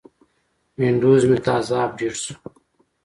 وینډوز مې تازه اپډیټ شو.